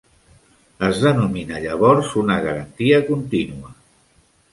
Es denomina llavors una garantia continua.